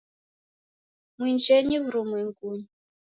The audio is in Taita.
Mwinjenyi w'urumwengunyi